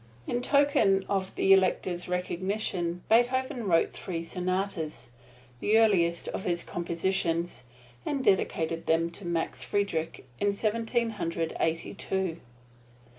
In token of the Elector's recognition Beethoven wrote three sonatas, the earliest of his compositions, and dedicated them to Max Friedrich in Seventeen Hundred Eighty two.